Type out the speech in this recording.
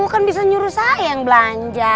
kamu kan bisa nyuruh saya yang belanja